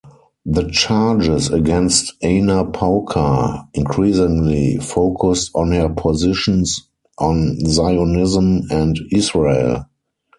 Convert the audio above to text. The charges against Ana Pauker increasingly focused on her positions on Zionism and Israel.